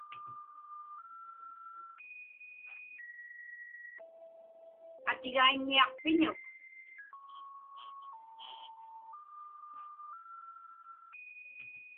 Atigaiññiaqpiñuk?